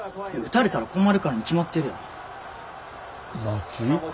打たれたら困るからに決まってるやろ。